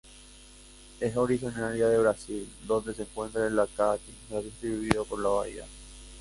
Es originaria de Brasil donde se encuentra en la Caatinga, distribuida por Bahia.